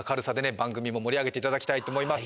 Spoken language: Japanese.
番組も盛り上げていただきたいと思います